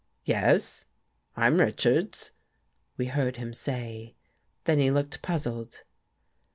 " Yes, I'm Richards," we heard him say. Then he looked puzzled.